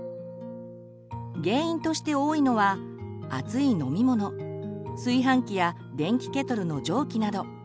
原因として多いのは熱い飲み物炊飯器や電気ケトルの蒸気など。